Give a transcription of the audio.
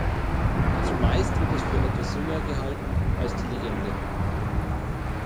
Zumeist wird es für etwas jünger gehalten als die "Legende".